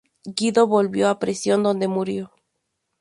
Guido volvió a prisión, donde murió.